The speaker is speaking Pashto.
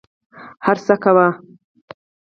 هر څه کوه.